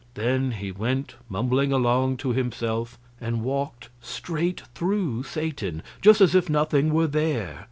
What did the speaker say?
Then he went mumbling along to himself and walked straight through Satan, just as if nothing were there.